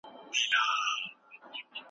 لويه جرګه د ملي پخلاينې لپاره تګلاره جوړوي.